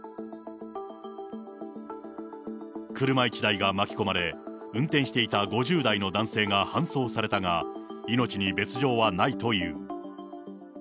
車１台が巻き込まれ、運転していた５０代の男性が搬送されたが、命に別状はないという。